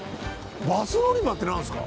バス乗り場って何すか？